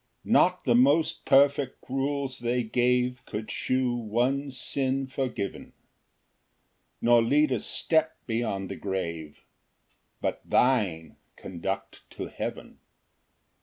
2 Not the most perfect rules they gave Could shew one sin forgiven, Nor lead a step beyond the grave; But thine conduct to heaven.